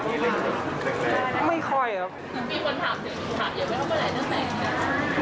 มีคนถามถึงถามอย่าไปเข้ามาหลายเรื่องแบบไหน